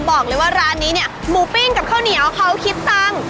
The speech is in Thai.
บอกเลยว่าร้านนี้เนี่ยหมูปิ้งกับข้าวเหนียวเขาคิดตังค์